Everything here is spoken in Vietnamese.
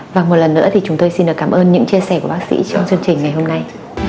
và một lần nữa thì chúng tôi xin được cảm ơn những chia sẻ của bác sĩ trong chương trình ngày hôm nay